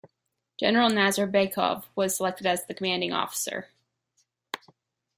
General Nazarbekov was selected as the Commanding Officer.